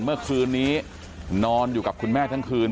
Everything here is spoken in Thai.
เมื่อคืนนี้นอนอยู่กับคุณแม่ทั้งคืน